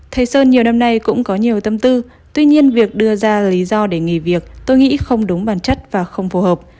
thầy sơn nhiều năm nay cũng có nhiều tâm tư tuy nhiên việc đưa ra lý do để nghỉ việc tôi nghĩ không đúng bản chất và không phù hợp